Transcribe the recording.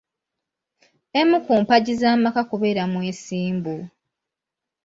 Emu ku mpagi z’amaka kubeera mwesimbu.